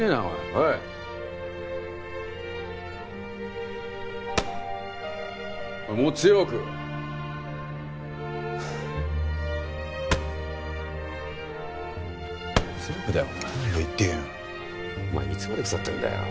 お前いつまで腐ってんだよ。